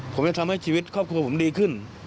ผมจะทำให้ชีวิตครอบครัวผมดีขึ้น